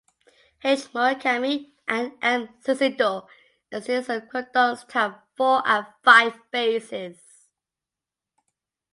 H. Murakami and M. Sisido extended some codons to have four and five bases.